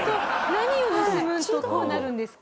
「何を盗むとこうなるんですか？」